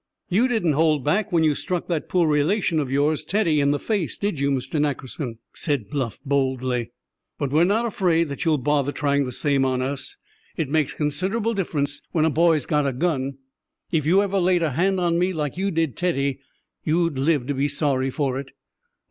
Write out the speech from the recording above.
"You didn't hold back when you struck that poor relation of yours, Teddy, in the face, did you, Mr. Nackerson?" said Bluff boldly. "But we're not afraid that you'll bother trying the same on us. It makes considerable difference when a boy's got a gun. If you ever laid a hand on me like you did Teddy, you'd live to be sorry for it."